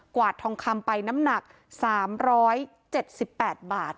วาดทองคำไปน้ำหนัก๓๗๘บาท